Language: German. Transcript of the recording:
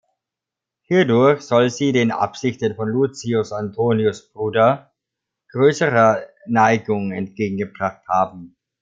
Hierdurch soll sie den Absichten von Lucius, Antonius' Bruder, größere Neigung entgegengebracht haben.